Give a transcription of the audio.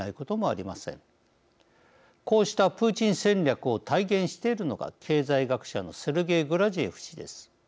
こうしたプーチン戦略を体現しているのが経済学者のセルゲイ・グラジエフ氏です。